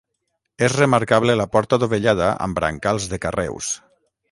És remarcable la porta dovellada amb brancals de carreus.